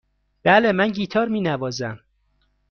بله، من گیتار می نوازم.